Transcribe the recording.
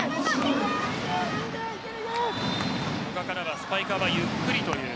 スパイカーはゆっくりという。